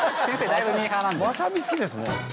まさみ好きですね。